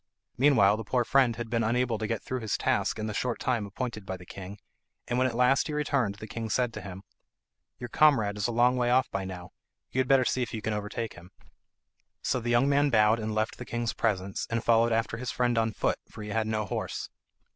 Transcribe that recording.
Meanwhile the poor friend had been unable to get through his task in the short time appointed by the king, and when at last he returned the king said to him, "Your comrade is a long way off by now; you had better see if you can overtake him." So the young man bowed and left the king's presence, and followed after his friend on foot, for he had no horse.